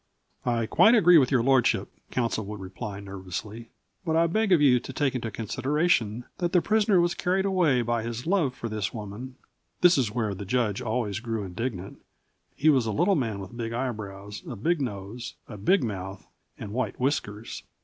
"I quite agree with your lordship," counsel would reply nervously, "but I beg of you to take into consideration that the prisoner was carried away by his love for this woman " This was where the judge always grew indignant. He was a little man with big eyebrows, a big nose, a big mouth, and white whiskers.